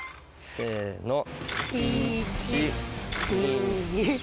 せの。